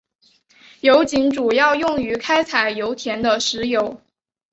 油井主要用于开采油田的石油。